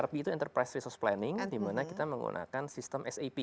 erp itu enterprise resource planning di mana kita menggunakan sistem sap